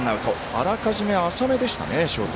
あらかじめ、浅めでしたねショート。